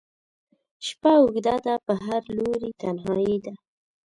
شپه اوږده ده په هر لوري تنهایي ده